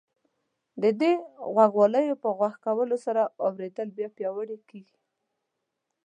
د دې غوږوالیو په غوږ کولو سره اورېدل یې پیاوړي کیږي.